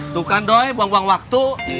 tuh kan doi buang buang waktu